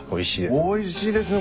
おいしいですね